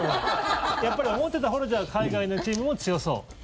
やっぱり思ってたほど海外のチームも強そう？